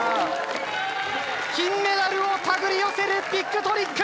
金メダルを手繰り寄せるビッグトリック！